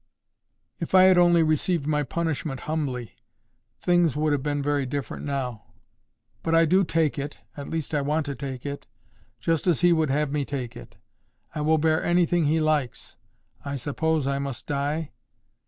"If I had only received my punishment humbly, things would have been very different now. But I do take it—at least I want to take it—just as He would have me take it. I will bear anything He likes. I suppose I must die?"